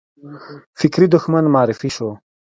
فکري دښمن معرفي شو